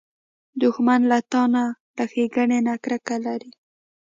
دښمن له تا نه، له ښېګڼې نه کرکه لري